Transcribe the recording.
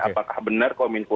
apakah benar kominfo